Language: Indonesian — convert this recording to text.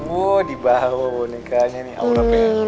woh dibawa bonekanya nih